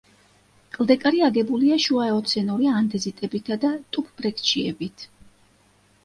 კლდეკარი აგებულია შუაეოცენური ანდეზიტებითა და ტუფბრექჩიებით.